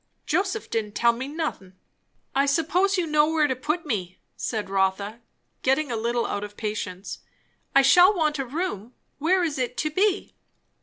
"Joseph didn't tell me nothin'." "I suppose you know where to put me," said Rotha, getting a little out of patience. "I shall want a room. Where is it to be?"